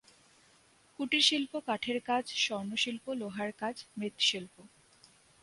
কুটিরশিল্প কাঠের কাজ, স্বর্ণশিল্প, লোহার কাজ, মৃৎশিল্প।